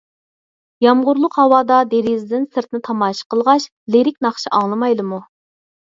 يامغۇرلۇق ھاۋادا دېرىزىدىن سىرتنى تاماشا قىلغاچ لىرىك ناخشا ئاڭلىمايلىمۇ؟